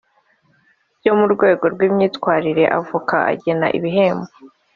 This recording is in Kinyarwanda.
byo mu rwego rw imyitwarire Avoka agena ibihembo